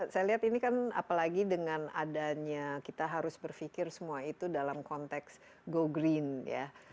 saya lihat ini kan apalagi dengan adanya kita harus berpikir semua itu dalam konteks go green ya